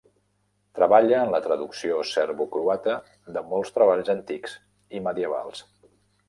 Treballa en la traducció serbo-croata de molts treballs antics i medievals.